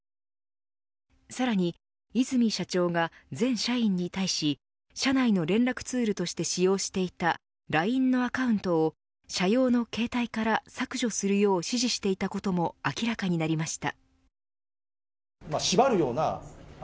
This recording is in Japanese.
さらに和泉社長が全社員に対し社内の連絡ツールとして使用していたＬＩＮＥのアカウントを車用の携帯から削除するよう指示していたことも明らかになりました。